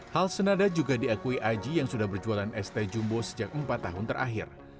hal senada juga diakui aji yang sudah berjualan este jumbo sejak empat tahun terakhir